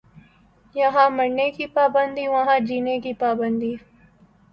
یہاں مرنے کی پابندی وہاں جینے کی پابندی